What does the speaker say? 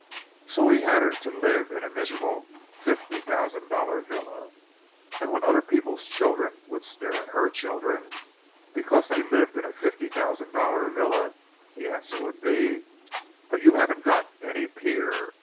So she had to live in a miserable fifty thousand dollar villa; and when other people's children would sneer at her children because they lived in a fifty thousand dollar villa, the answer would be, 'But you haven't got any pier!